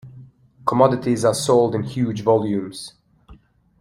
Commodities are sold in huge volumes.